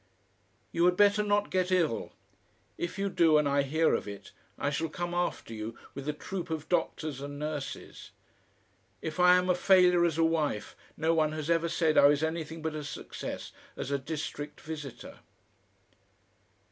"You had better not get ill. If you do, and I hear of it I shall come after you with a troupe of doctor's and nurses. If I am a failure as a wife, no one has ever said I was anything but a success as a district visitor...."